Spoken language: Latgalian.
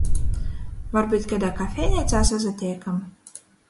Varbyut kaidā kafejneicā sasateikam?